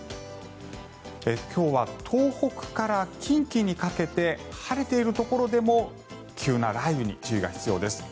今日は東北から近畿にかけて晴れているところでも急な雷雨に注意が必要です。